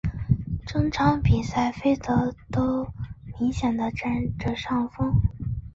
整场比赛菲德都明显的占着上风。